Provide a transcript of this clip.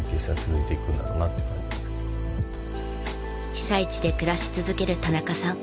被災地で暮らし続ける田中さん。